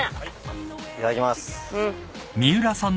いただきます。